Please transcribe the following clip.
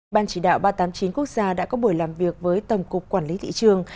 ban chỉ đạo ba trăm tám mươi chín quốc gia đã có buổi làm việc với tổng cục quản lý thị trường